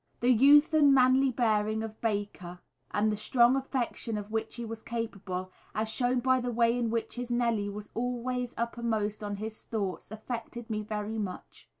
The youth and manly bearing of Baker, and the strong affection of which he was capable, as shown by the way in which his Nellie was always uppermost in his thoughts, affected me very much.